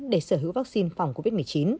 để sở hữu vaccine phòng covid một mươi chín